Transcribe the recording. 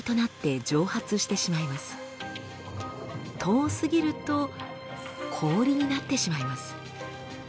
遠すぎると氷になってしまいます。